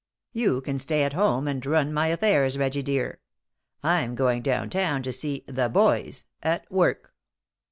You can stay at home and run my affairs, Reggie, dear. I'm going down town to see 'the boys' at work!"